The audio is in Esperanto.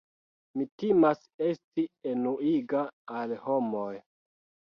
Mi timas esti enuiga al homoj.